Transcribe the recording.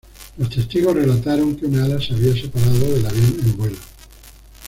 Los testigos relataron que un ala se había separado del avión en vuelo.